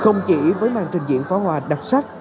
không chỉ với màn trình diễn pháo hoa đặc sắc